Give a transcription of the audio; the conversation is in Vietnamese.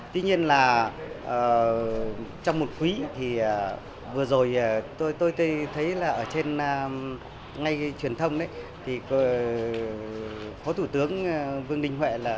tuy nhiên là trong một quý thì vừa rồi tôi thấy là ở trên ngay truyền thông thì phó thủ tướng vương đình huệ là